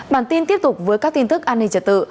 bản tin tiếp tục với các tin tức an ninh trật tự